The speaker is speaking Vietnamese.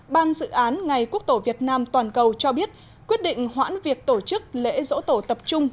ban dự án ngày quốc tổ việt nam toàn cầu cho biết quyết định hoãn việc tổ chức lễ dỗ tổ tập trung